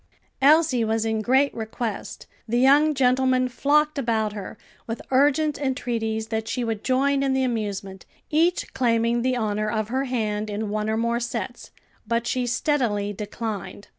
Elsie was in great request; the young gentlemen flocked about her, with urgent entreaties that she would join in the amusement, each claiming the honor of her hand in one or more sets, but she steadily declined.